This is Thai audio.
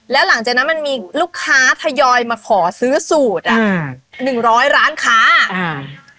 แล้วหลังจากนั้นมันมีลูกค้าทยอยมาขอซื้อสูตรอ่ะอืมหนึ่งร้อยร้านค้าอ่า